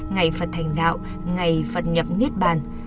ngày phật thành đạo ngày phật nhập nhiết bàn